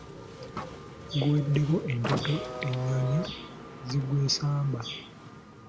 Guweddeko entonto, ennyonyi zigwesamba.